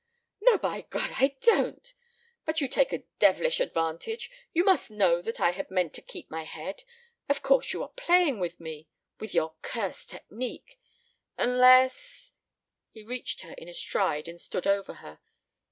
"No, by God! I don't! But you take a devilish advantage. You must know that I had meant to keep my head. Of course, you are playing with me with your cursed technique! ... Unless ..." He reached her in a stride and stood over her.